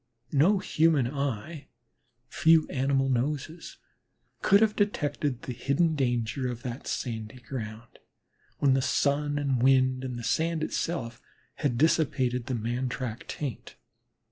No human eye, few animal noses, could have detected the hidden danger of that sandy ground, when the sun and wind and the sand itself had dissipated the man track taint.